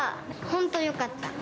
本当、よかった。